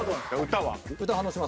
歌反応します。